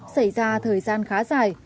xảy ra thời gian khá dài